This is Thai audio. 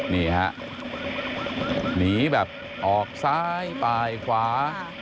นี่ครับหนีแบบออกซ้ายไปขวา